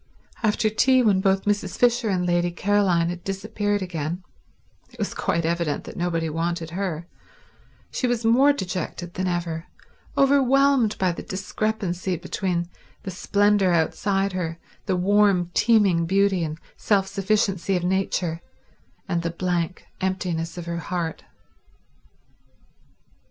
After tea, when both Mrs. Fisher and Lady Caroline had disappeared again—it was quite evident that nobody wanted her—she was more dejected than ever, overwhelmed by the discrepancy between the splendour outside her, the warm, teeming beauty and self sufficiency of nature, and the blank emptiness of her heart.